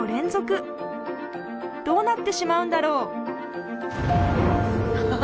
どうなってしまうんだろうハハハ